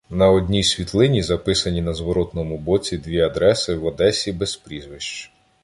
На одній світлині записані на зворотному боці дві адреси в Одесі без прізвищ.